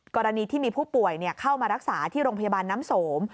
กรณีที่มีผู้ป่วยเข้ามารักษาที่โรงพยาบาลน้ำสม